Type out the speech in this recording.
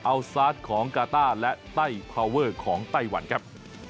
ซาสของกาต้าและไต้พาวเวอร์ของไต้หวันครับ